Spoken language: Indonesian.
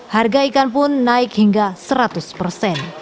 harga ikan pun naik hingga seratus persen